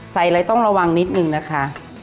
อะไรต้องระวังนิดนึงนะคะ